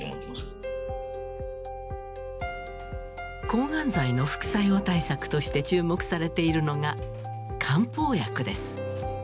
抗がん剤の副作用対策として注目されているのが漢方薬です。